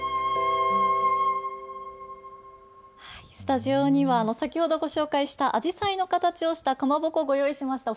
スタジオには先ほどご紹介したあじさいの形をしたかまぼこをご用意しました。